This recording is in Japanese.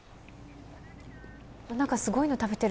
なんか、すごいの食べてる。